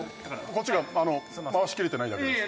こっちが回しきれてないだけです。